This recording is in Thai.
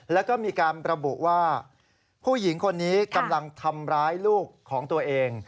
แล้วก็มีการระบุว่าผู้หญิงคนนี้กำลังทำร้ายลูกของตัวเอง